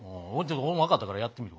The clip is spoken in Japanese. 俺も分かったからやってみるわ。